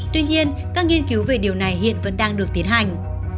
tuy nhiên các nghiên cứu về điều này hiện vẫn đang được tiến hành